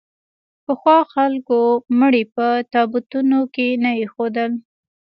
پخوا خلکو مړي په تابوتونو کې نه اېښودل.